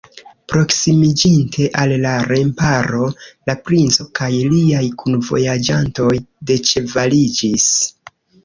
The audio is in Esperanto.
Proksimiĝinte al la remparo, la princo kaj liaj kunvojaĝantoj deĉevaliĝis.